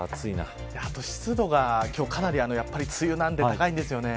あと湿度が、今日かなり梅雨なんで高いんですよね。